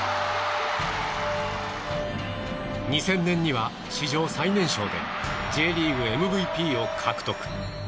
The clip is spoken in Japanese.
２０００年には史上最年少でＪリーグＭＶＰを獲得。